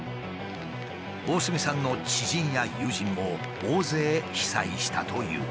大角さんの知人や友人も大勢被災したという。